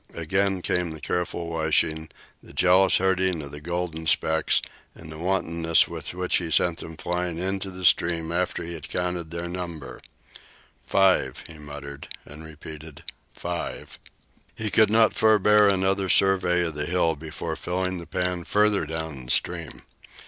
Again came the careful washing, the jealous herding of the golden specks, and the wantonness with which he sent them flying into the stream. "Five," he muttered, and repeated, "five." He could not forbear another survey of the hill before filling the pan farther down the stream.